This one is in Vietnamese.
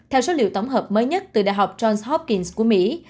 theo số liệu tổng hợp mới nhất từ đại học johns hopkins của mỹ